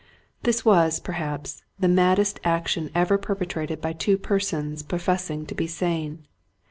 This was, perhaps, the maddest action ever per petrated by two persons professing to be sane.